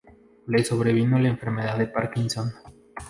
Le sobrevino la enfermedad de Parkinson.